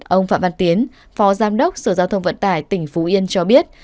ông phạm văn tiến phó giám đốc sở giao thông vận tải tỉnh phú yên cho biết